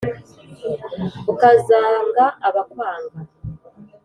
ukazanga abakwanga